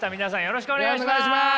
よろしくお願いします。